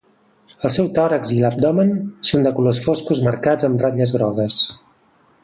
El seu tòrax i l'abdomen són de colors foscos marcats amb ratlles grogues.